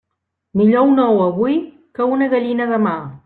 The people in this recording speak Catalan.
Millor un ou avui que una gallina demà.